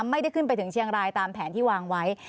ไม่ได้ขึ้นไปถึงเชียงรายตามแผนที่วางไว้